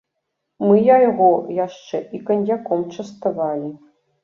Мы яго яшчэ і каньяком частавалі.